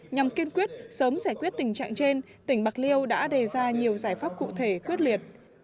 nhằm kiên quyết sớm giải quyết tình trạng trên tỉnh bạc liêu đã đề ra nhiều giải pháp cụ thể quyết liệt